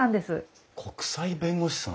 国際弁護士さん？